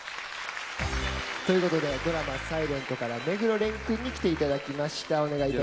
ドラマ「ｓｉｌｅｎｔ」から目黒蓮君に来ていただきました。